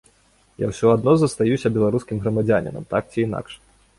Я ўсё адно застаюся беларускім грамадзянінам так ці інакш.